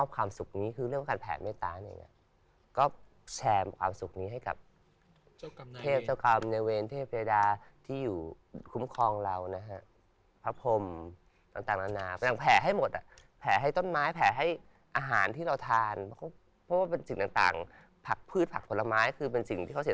คือเป็นรุ่นน้องที่มานอนด้วยเนี่ยเพราะนอนพื้นด้านล่าง